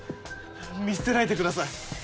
見捨てないでください